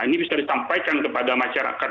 ini bisa disampaikan kepada masyarakat